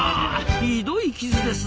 ひどい傷ですな。